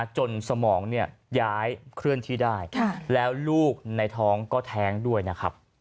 สมองย้ายเคลื่อนที่ได้แล้วลูกในท้องก็แท้งด้วยนะครับ